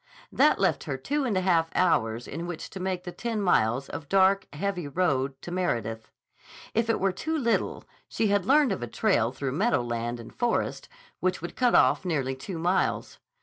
That left her two and a half hours in which to make the ten miles of dark, heavy road to Meredith. If it were too little, she had learned of a trail through meadowland and forest which would cut off nearly two miles.